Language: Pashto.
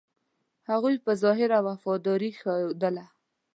هغوی په ظاهره وفاداري ښودله.